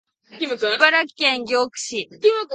茨城県牛久市